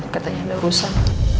katanya ada urusan